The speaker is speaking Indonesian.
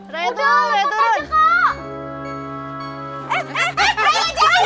raya turun raya turun